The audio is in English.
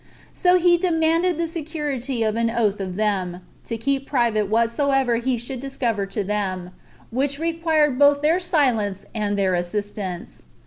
So he demanded the security of an oath of them, to keep private whatsoever he should discover to them, which required both their silence and their assistance.